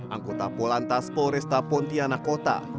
angkota polantas polresta pontianakota